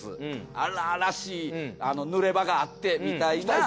荒々しい濡れ場があってみたいな。